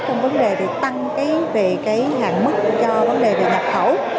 trong vấn đề tăng về hạn mức cho vấn đề về nhập khẩu